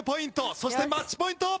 そしてマッチポイント。